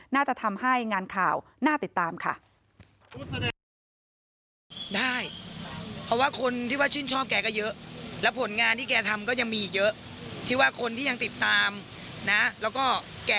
น่าจะทำให้งานข่าวน่าติดตามค่ะ